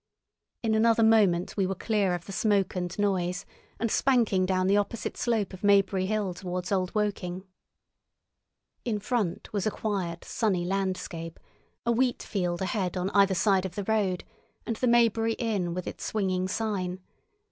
In another moment we were clear of the smoke and noise, and spanking down the opposite slope of Maybury Hill towards Old Woking. In front was a quiet sunny landscape, a wheat field ahead on either side of the road, and the Maybury Inn with its swinging sign.